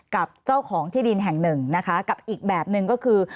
กับเจ้าของที่ดินแห่งหนึ่งนะคะกับอีกแบบหนึ่งก็คือ